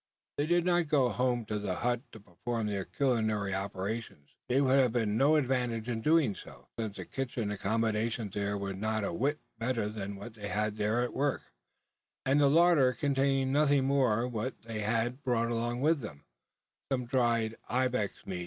They did not go home to the hut to perform their culinary operations. There would have been no advantage in doing so: since the kitchen accommodation there was not a whit better than where they were at work; and the larder contained nothing more than what they had brought along with them some dried ibex meat.